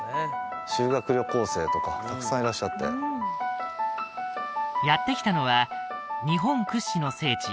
修学旅行生とかたくさんいらっしゃってやって来たのは日本屈指の聖地